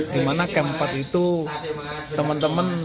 di mana kem empat itu teman teman